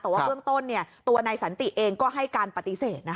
แต่ว่าเบื้องต้นตัวนายสันติเองก็ให้การปฏิเสธ